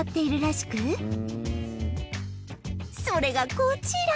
それがこちら！